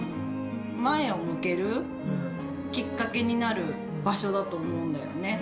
前を向けるきっかけになる場所だと思うんだよね。